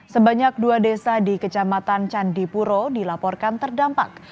sebanyak dua desa di kecamatan candipuro dilaporkan terdampak